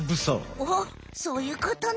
おおそういうことね。